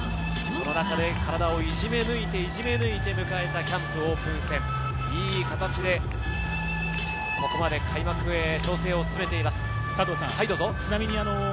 その中で体をいじめ抜いて迎えたキャンプ、オープン戦、いい形でここまで開幕まで調整を進めています。